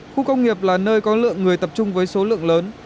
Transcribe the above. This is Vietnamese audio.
khu công nghiệp là nơi có lượng người tập trung với số lượng lớn